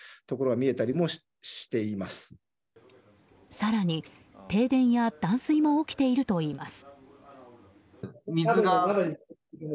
更に、停電や断水も起きているといいます。